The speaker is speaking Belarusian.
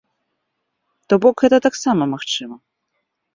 То бок гэта таксама магчыма.